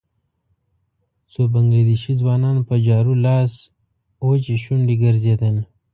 څو بنګله دېشي ځوانان په جارو لاس وچې شونډې ګرځېدل.